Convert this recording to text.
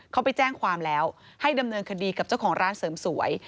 เขาไปแจ้งความแล้วให้ดำเนินคดีกับเจ้าของร้านเสริมสวย